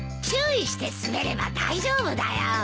注意して滑れば大丈夫だよ。